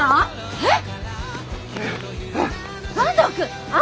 えっ！